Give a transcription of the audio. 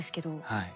はい。